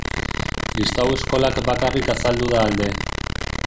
Kristau Eskolak bakarrik azaldu da alde.